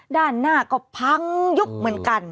ด้านหน้าก็พังยุบเหมือนกัน